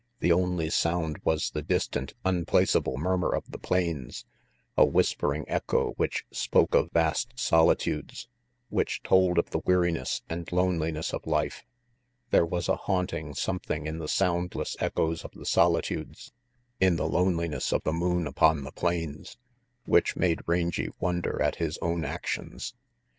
The only sound was the distant, unplace able murmur of the plains, a whispering echo which spoke of vast solitudes, which told of the weariness and loneliness of life. There was a haunting some thing in the soundless echoes of the solitudes, in the loneliness of the moon upon the plains, which made Rangy wonder at his own actions.